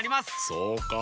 そうか。